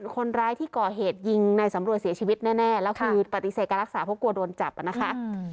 คนร้ายที่ก่อเหตุยิงในสำรวจเสียชีวิตแน่แล้วคือปฏิเสธการรักษาเพราะกลัวโดนจับนะคะ